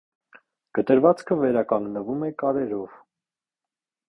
Կտրվածքը վերականգնվում է կարերով։